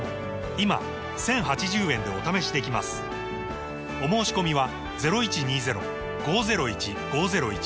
今１，０８０円でお試しできますお申込みは